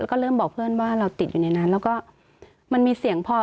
แล้วก็เริ่มบอกเพื่อนว่าเราติดอยู่ในนั้นแล้วก็มันมีเสียงพอ